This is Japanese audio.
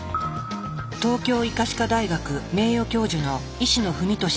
東京医科歯科大学名誉教授の石野史敏さん。